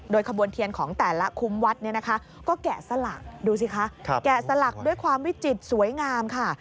โดยขบวนเทียนของแต่ละคุมวัดก็แกะสลักด้วยความวิจิตสวยงามค่ะ